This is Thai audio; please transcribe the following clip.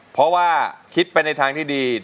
เพราะว่าคิดไปในทางที่ดี